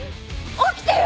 起きてよ！